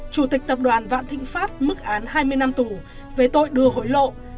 chủ tịch tập đoàn vạn thịnh pháp mức án hai mươi năm tù về tội đưa hối lộ